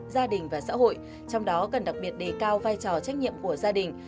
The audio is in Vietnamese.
gia đình và xã hội trong đó cần đặc biệt đề cao vai trò trách nhiệm của gia đình